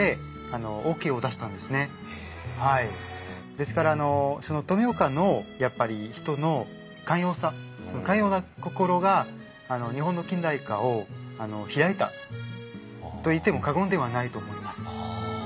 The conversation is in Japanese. ですからあの富岡のやっぱり人の寛容さ寛容な心が日本の近代化を開いたと言っても過言ではないと思います。